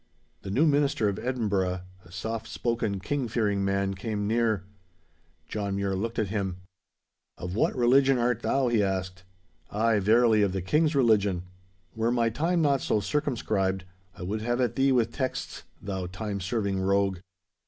The new minister of Edinburgh, a soft spoken, King fearing man, came near. John Mure looked at him. 'Of what religion art thou?' he asked. 'Ay, verily, of the King's religion. Were my time not so circumscribed, I would have at thee with texts, thou time serving rogue.